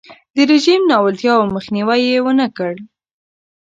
د رژیم ناولتیاوو مخنیوی یې ونکړ.